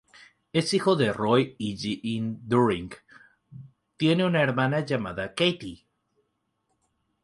Es hijo de Roy y Jean Dunning, tiene una hermana llamada Cathy.